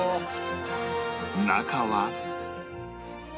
中は